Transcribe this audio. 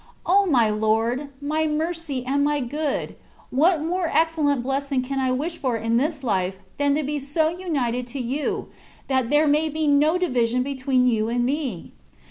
O my Lord, my Mercy, and my Good ! what more excellent bless ing can I wish for in this life, than to be so united to You, that there may be no division between You and me